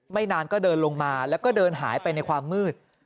นานก็เดินลงมาแล้วก็เดินหายไปในความมืด